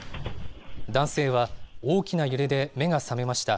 男性は、大きな揺れで目が覚めました。